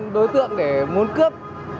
đối tượng để muốn cướp